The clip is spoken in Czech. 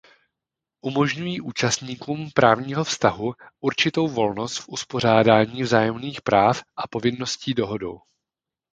Umožňují účastníkům právního vztahu určitou volnost v uspořádání vzájemných práv a povinností dohodou.